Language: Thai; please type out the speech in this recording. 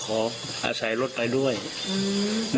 ขออาศัยรถไปด้วยอืม